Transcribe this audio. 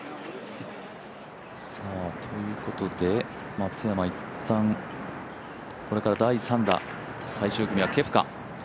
松山、一旦これから第３打、最終組はケプカ。